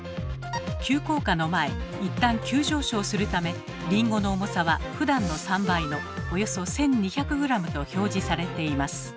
急降下の前一旦急上昇するためリンゴの重さはふだんの３倍のおよそ１，２００ｇと表示されています。